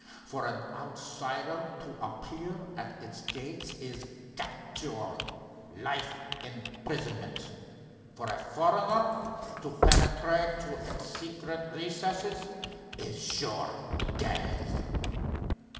For an outsider to appear at its gates is capture—life imprisonment. For a foreigner to penetrate to its secret recesses, is sure death."